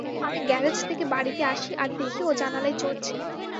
আমি গ্যারেজ থেকে বাড়িতে আসি আর দেখি ও জানালায় চড়ছে।